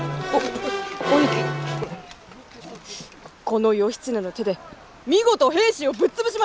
この義経の手で見事平氏をぶっ潰しました！